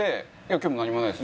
「今日も何もないです」